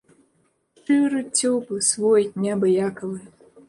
Шчыры, цёплы, свой, неабыякавы.